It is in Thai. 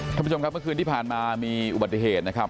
ท่านผู้ชมครับเมื่อคืนที่ผ่านมามีอุบัติเหตุนะครับ